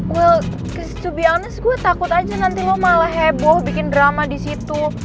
well to be honest gue takut aja nanti lo malah heboh bikin drama disitu